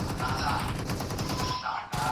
ولي هوډمن سړی د لوستي کس په پرتله هدف ترلاسه کوي؟